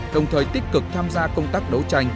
đồng thời tích cực tham gia công tác đấu tranh